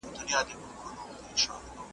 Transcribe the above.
نن سبا چي څوک د ژوند پر لار ځي پلي .